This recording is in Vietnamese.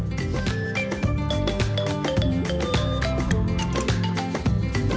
nhưng nó là nguyên liệu